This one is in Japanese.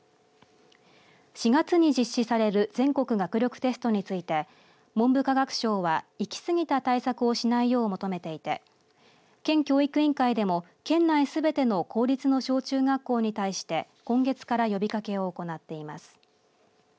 ４月に実施される全国学力テストについて文部科学省は行き過ぎた対策をしないよう求めていて県教育委員会でも県内すべての公立の小中学校に対して今月から呼びかけを行っています。